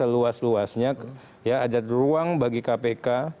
luas luasnya ya ada ruang bagi kpk